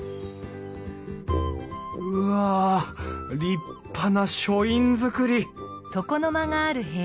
うわ立派な書院造り！